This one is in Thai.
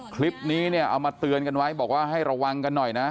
คลิปนี้เนี่ยเอามาเตือนกันไว้บอกว่าให้ระวังกันหน่อยนะ